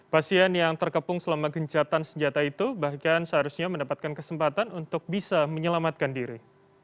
pasien yang terkepung selama gencatan senjata itu bahkan seharusnya mendapatkan kesempatan untuk bisa menyelamatkan diri